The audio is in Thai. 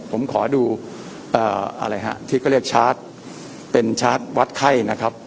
ผมขอดูอะไรฮะที่เขาเรียกชาร์จเป็นชาร์จวัดไข้นะครับ